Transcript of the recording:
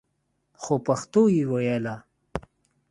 خو پښتو يې ويله.